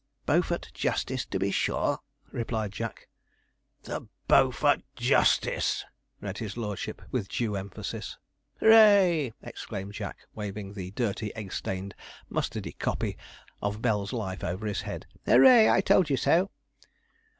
'Beaufort Justice, to be sure!' replied Jack. '"The Beaufort Justice!"' read his lordship, with due emphasis. 'Hurrah!' exclaimed Jack, waving the dirty, egg stained, mustardy copy of Bell's Life over his head. 'Hurrah! I told you so.'